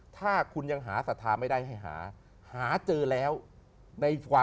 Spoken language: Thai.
ถ้าคุณยังหาสถาไม่ได้ให้หา